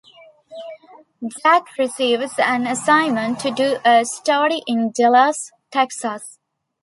Jack receives an assignment to do a story in Dallas, Texas.